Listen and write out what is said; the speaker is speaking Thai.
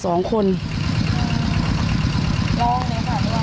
ลองไหนคะหรือแม่